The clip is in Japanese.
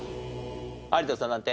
有田さんなんて？